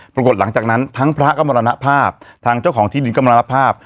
ปรากฏหลังจากนั้นทั้งพระก็มรณภาพทางเจ้าของที่ดินก็มรณภาพ